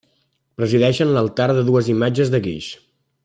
Presideixen l'altar dues imatges de guix: